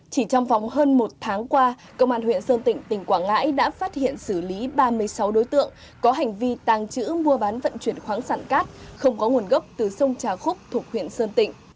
chỉ trong vòng hơn một tháng qua công an huyện sơn tịnh tỉnh quảng ngãi đã phát hiện xử lý ba mươi sáu đối tượng có hành vi tàng trữ mua bán vận chuyển khoáng sản cát không có nguồn gốc từ sông trà khúc thuộc huyện sơn tịnh